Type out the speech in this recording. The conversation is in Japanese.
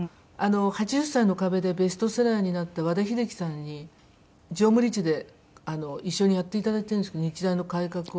『８０歳の壁』でベストセラーになった和田秀樹さんに常務理事で一緒にやっていただいてるんですけど日大の改革を。